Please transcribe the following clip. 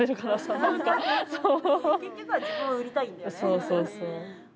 そうそうそう。